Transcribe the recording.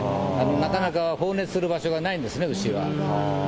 なかなか放熱する場所がないんですね、牛は。